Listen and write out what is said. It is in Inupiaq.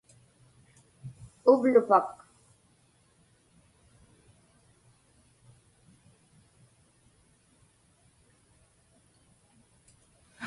uvlupak